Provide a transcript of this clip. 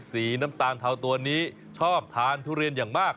แมวหน้าน้อยสีน้ำตาลเทาตัวนี้ชอบทานทุเรียนอย่างมาก